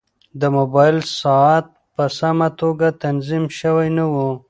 د موبایل ساعت په سمه توګه تنظیم شوی نه و.